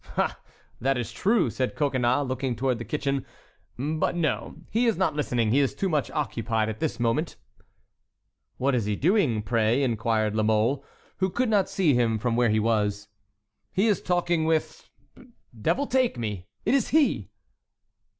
"Ah, that is true," said Coconnas, looking toward the kitchen; "but—no, he is not listening; he is too much occupied at this moment." "What is he doing, pray?" inquired La Mole, who could not see him from where he was. "He is talking with—devil take me! it is he!"